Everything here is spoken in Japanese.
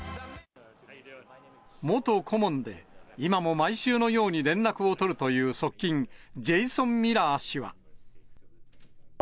元顧問で、今も毎週のように連絡を取るという側近、ジェイソン・ミラー氏は。